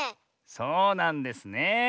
そうなんですねえ。